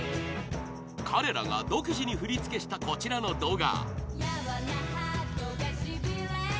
彼らが独自に振り付けしたこちらの動画